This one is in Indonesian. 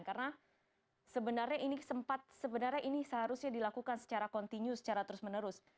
karena sebenarnya ini sempat sebenarnya ini seharusnya dilakukan secara kontinu secara terus menerus